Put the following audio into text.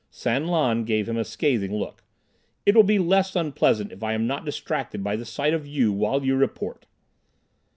San Lan gave him a scathing look. "It will be less unpleasant if I am not distracted by the sight of you while you report."